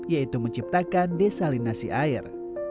yaitu menciptakan desalinasi air